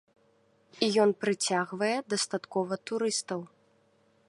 І ён прыцягвае дастаткова турыстаў.